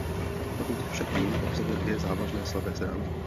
Pokud však vím, obsahuje dvě závažné slabé stránky.